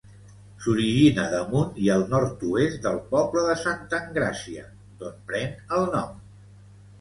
S'origina damunt i al nord-oest del poble de Santa Engràcia, d'on pren el nom.